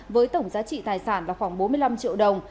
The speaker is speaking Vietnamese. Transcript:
với tổng giá trị tài sản là khoảng bốn mươi năm triệu đồng